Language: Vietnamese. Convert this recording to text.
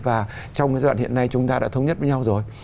và trong cái giai đoạn hiện nay chúng ta đã thống nhất với nhau rồi